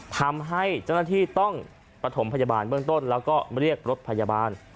ทำให้เจ้าหน้าที่ต้องประถมพยาบาลเบื้องต้นแล้วก็เรียกรถพยาบาล